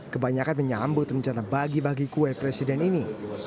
kebanyakan menyambut rencana bagi bagi kue presiden ini